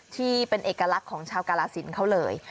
ที่เป็นเอกลักษณ์ของชาวกาลสินเขาเลย